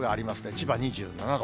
千葉２７度。